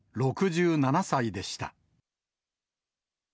６７歳でした。